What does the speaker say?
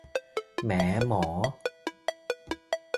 แหมหมอ